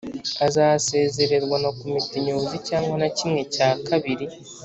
azasezererwa na Komite Nyobozi cyangwa na kimwe cya kabiri